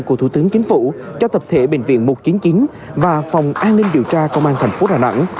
của thủ tướng chính phủ cho tập thể bệnh viện một trăm chín mươi chín và phòng an ninh điều tra công an thành phố đà nẵng